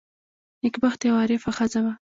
نېکبخته یوه عارفه ښځه وه.